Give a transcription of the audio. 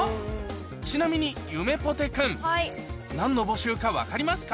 ちなみにゆめぽて君何の募集か分かりますか？